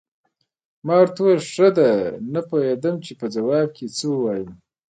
ما ورته وویل: ښه ده، نه پوهېدم چې په ځواب کې یې څه ووایم.